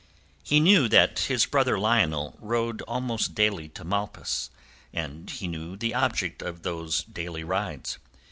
He knew that his brother Lionel rode almost daily to Malpas, and he knew the object of those daily rides.